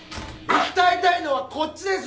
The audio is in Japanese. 訴えたいのはこっちです！